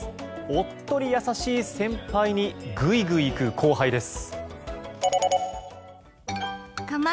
おっとり優しい先輩にぐいぐいいく後輩です。